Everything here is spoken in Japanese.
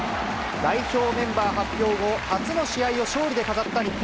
代表メンバー発表後、初の試合を勝利で飾った日本。